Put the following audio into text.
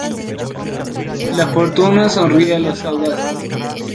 La fortuna sonríe a los audaces